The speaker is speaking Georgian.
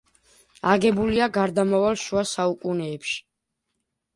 აგებულია გარდამავალ შუა საუკუნეებში.